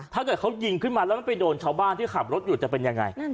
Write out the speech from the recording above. ถ้าเกิดเขายิงขึ้นมาแล้วมันไปโดนชาวบ้านที่ขับรถอยู่จะเป็นยังไง